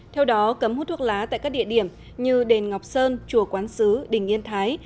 theo đó cấm hút thuốc lá tại các địa điểm như đền ngọc sơn chùa quán sứ đình yên thái